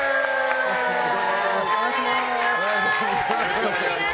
よろしくお願いします。